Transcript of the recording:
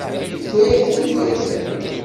Nefka-yak-t-id yakan.